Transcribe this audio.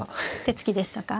手つきでしたか。